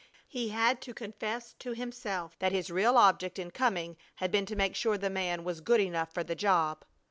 He had to confess to himself that his real object in coming had been to make sure the man was "good enough for the job."